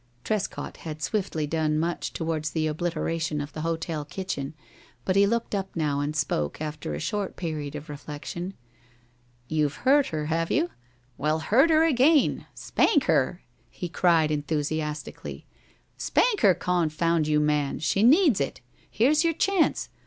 Trescott had swiftly done much towards the obliteration of the hotel kitchen, but he looked up now and spoke, after a short period of reflection. "You've hurt her, have you? Well, hurt her again. Spank her!" he cried, enthusiastically. "Spank her, confound you, man! She needs it. Here's your chance.